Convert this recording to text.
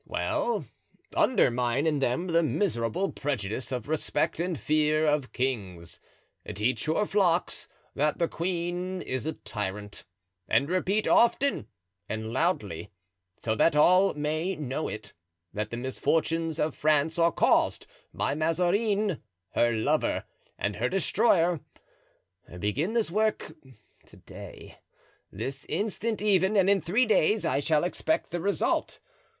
Well, undermine in them the miserable prejudice of respect and fear of kings; teach your flocks that the queen is a tyrant; and repeat often and loudly, so that all may know it, that the misfortunes of France are caused by Mazarin, her lover and her destroyer; begin this work to day, this instant even, and in three days I shall expect the result.